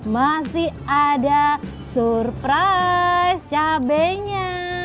masih ada surprise cabainya